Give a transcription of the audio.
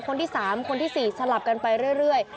คนที่๓คนที่๔สลับกันไปเรื่อย